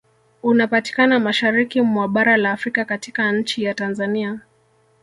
Unapatikana mashariki mwa bara la Afrika katika nchi ya Tanzania